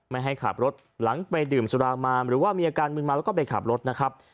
ไม่ให้ขับรถหลังไปดื่มสุรามาหรือว่ามีอาการมืนเมาแล้วก็ไปขับรถนะครับ